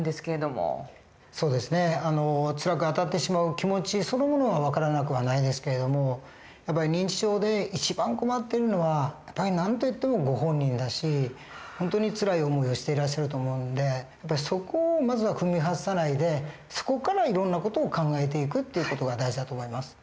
そうですねつらくあたってしまう気持ちそのものは分からなくはないですけど認知症で一番困っているのは何と言ってもご本人だし本当につらい思いをしていらっしゃると思うんでそこをまずは踏み外さないでそこからいろんな事を考えていくっていう事が大事だと思います。